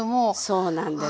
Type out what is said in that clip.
そうなんです。